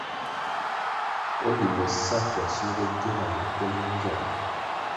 O Limbo sa Ckwasio bo gio nah minkywèlè mi nzong ?